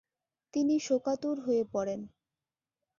তিনি শোকাতুর হয়ে পড়েন।